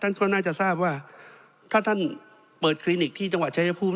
ท่านก็น่าจะทราบว่าถ้าท่านเปิดคลินิกที่จังหวัดชายภูมิ